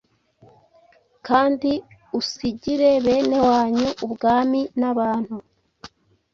Kandi usigire bene wanyu ubwami nabantu